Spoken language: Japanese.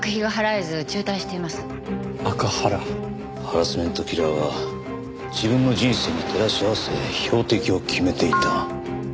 ハラスメントキラーは自分の人生に照らし合わせ標的を決めていた。